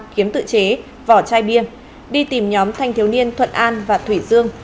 kiếm tự chế vỏ chai bia đi tìm nhóm thanh thiếu niên thuận an và thủy dương